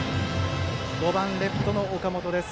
５番レフトの岡本です。